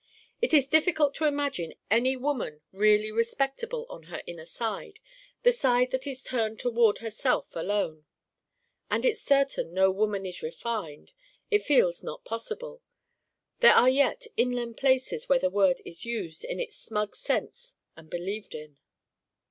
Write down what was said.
It is difficult to imagine any woman really Respectable on her inner side, the side that is turned toward herself alone. And it's certain no woman is Refined: it feels not possible. (There are yet inland places where the word is used in its smug sense and believed in.)